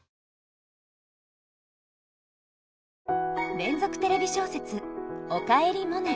連続テレビ小説「おかえりモネ」。